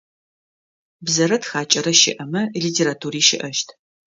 Бзэрэ тхакӏэрэ щыӏэмэ литератури щыӏэщт.